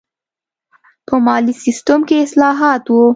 په مالي سیستم کې اصلاحات و.